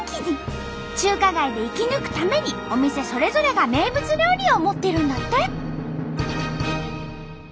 中華街で生き抜くためにお店それぞれが名物料理を持ってるんだって。